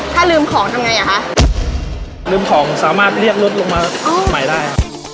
ถ้าลืมของทำไงอ่ะคะลืมของสามารถเรียกรถลงมาใหม่ได้ครับ